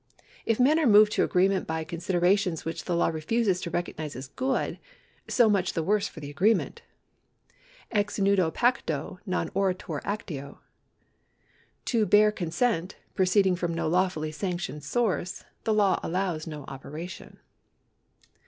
If men are moved to agreement by considera tions which the law refuses to recognise as good, so much the worse for the agreement. Ex nudo pacto non oritur actio. To bare consent, proceeding from no lawfully sanctioned source, the law allows no operation.